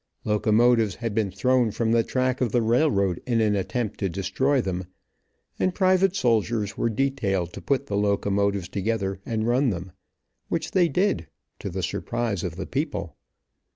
Locomotives had been thrown from the track of the railroad in an attempt to destroy them, and private soldiers were detailed to put the locomotives together and run them, which they did, to the surprise of the people.